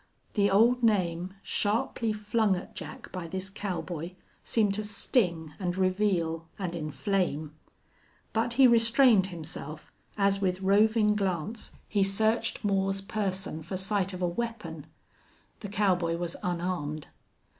The old name, sharply flung at Jack by this cowboy, seemed to sting and reveal and inflame. But he restrained himself as with roving glance he searched Moore's person for sight of a weapon. The cowboy was unarmed.